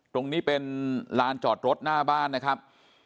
ตรงนี้เป็นลานจอดรถหน้าบ้านนะครับ